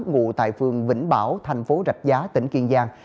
ngụ tại phường vĩnh bảo thành phố rạch giá tỉnh kiên giang